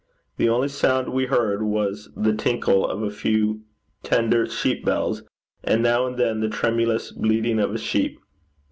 The only sound we heard was the tinkle of a few tender sheep bells, and now and then the tremulous bleating of a sheep.